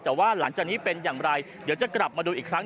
แต่ว่าหลังจากนี้เป็นอย่างไรเดี๋ยวจะกลับมาดูอีกครั้ง